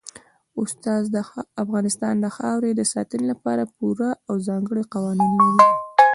افغانستان د خاورې د ساتنې لپاره پوره او ځانګړي قوانین لري.